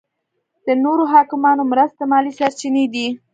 د نورو حاکمانو مرستې مالي سرچینې دي.